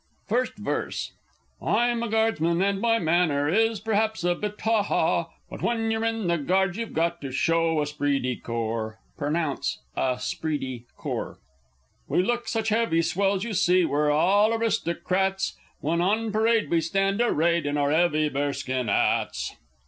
First Verse. I'm a Guardsman, and my manner is perhaps a bit "haw haw;" But when you're in the Guards you've got to show esprit de corps. [Pronounce "a spreedy core." We look such heavy swells, you see, we're all aristo cràts, When on parade we stand arrayed in our 'eavy bearskin 'ats.